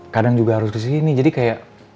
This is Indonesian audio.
kadang juga harus kesini jadi kayak